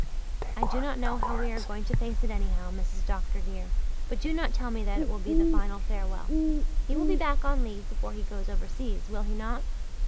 "I do not know how we are going to face it anyhow, Mrs. Dr. dear. But do not tell me that it will be the final farewell. He will be back on leave before he goes overseas, will he not?"